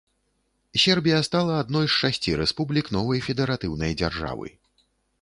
Сербія стала адной з шасці рэспублік новай федэратыўнай дзяржавы.